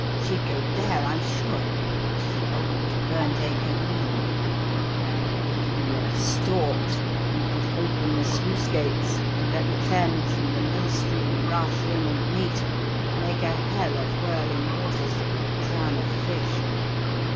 She'd go there, I'm sure, to the old Burnt Acre Mill, where, if you were 'stalked,' you could open the sluice gates and let the Thames and the mill stream rush in and meet, and make a hell of whirling waters that would drown a fish.